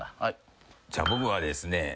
じゃあ僕はですね